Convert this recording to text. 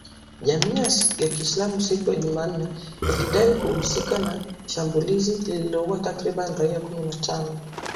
Jamii ya kiislamu siku ya Jumanne lilidai kuhusika na shambulizi lililoua takribani raia kumi na tano